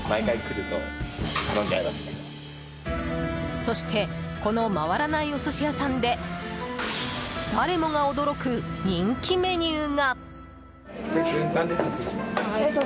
そしてこの回らないお寿司屋さんで誰もが驚く人気メニューが。